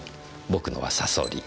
僕のはさそり。